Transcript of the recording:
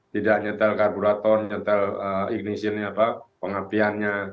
tidak nyetel karburator nyetel ignitionnya pengapiannya